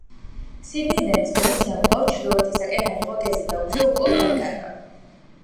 სიდნეიდან ექსპედიციამ კვლავ ჩრდილოეთისაკენ აიღო გეზი და უგზო-უკვლოდ დაიკარგა.